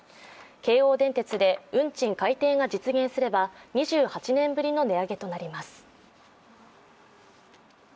京王電鉄で運賃改定が実現すれば２８年ぶりの値上げとなります。